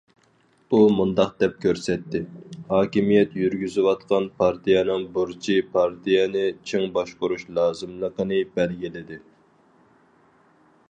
ئۇ مۇنداق دەپ كۆرسەتتى: ھاكىمىيەت يۈرگۈزۈۋاتقان پارتىيەنىڭ بۇرچى پارتىيەنى چىڭ باشقۇرۇش لازىملىقىنى بەلگىلىدى.